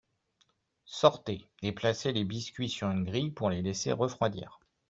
Sortez et placez les biscuits sur une grille pour les laisser refroidir.